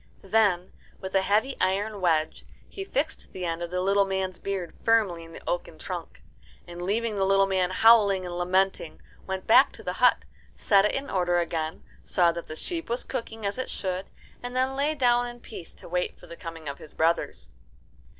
Then with a heavy iron wedge he fixed the end of the little man's beard firmly in the oaken trunk, and, leaving the little man howling and lamenting, went back to the hut, set it in order again, saw that the sheep was cooking as it should, and then lay down in peace to wait for the coming of his brothers.